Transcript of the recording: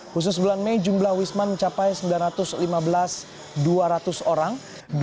khusus bulan mei jumlah wisman mencapai sembilan ratus lima belas dua ratus orang